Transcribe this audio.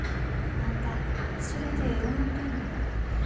あんたそれでええ思てんの？